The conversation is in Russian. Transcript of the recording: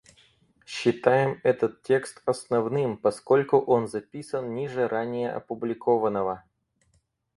Считаем этот текст основным, поскольку он записан ниже ранее опубликованного.